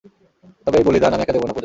তবে এই বলিদান, আমি একা দেব না, পূজা।